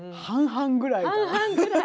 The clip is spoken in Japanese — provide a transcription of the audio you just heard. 半々ぐらい。